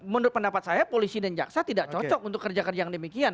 menurut pendapat saya polisi dan jaksa tidak cocok untuk kerja kerja yang demikian